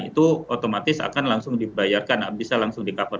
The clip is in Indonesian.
itu otomatis akan langsung dibayarkan bisa langsung di cover